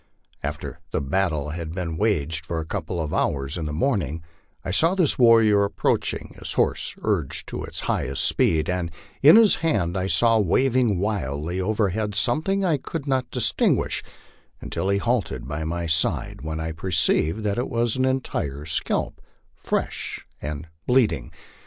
After the battle had been waged for a couple of hours in the morning, I saw this warrior approaching, his horse urged to his highest speed; in his hand I saw waving wildly over head something I could not distinguish until he halted by my side, when I perceived that it was an entire scalp, fresh and bleeding.